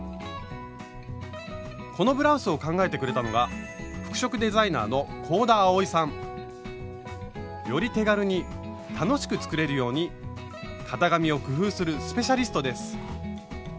このブラウスを考えてくれたのがより手軽に楽しく作れるように型紙を工夫するスペシャリストです！